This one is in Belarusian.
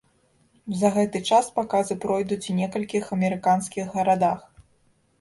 За гэты час паказы пройдуць у некалькіх амерыканскіх гарадах.